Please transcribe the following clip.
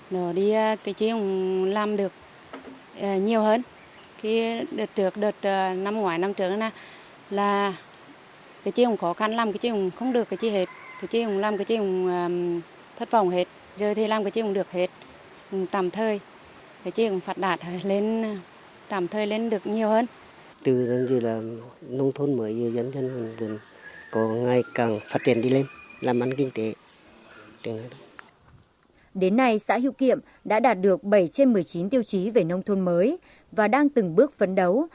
nông thôn mới đã đạt được bảy trên một mươi chín tiêu chí về nông thôn mới và đang từng bước phấn đấu